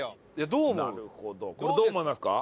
これどう思いますか？